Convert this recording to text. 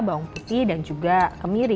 bawang putih dan juga kemiri